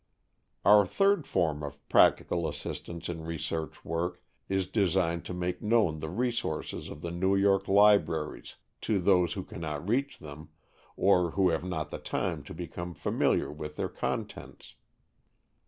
Our third form of practical assistance in research work is designed to make known the resources of the New York libraries to those who cannot reach them, or who have not the time to become familiar with their contents.